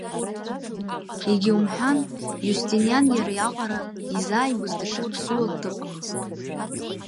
Егьа умҳәан, Иустиниан иара иаҟара изааигәаз даҽа аԥсуак дыҟамызт.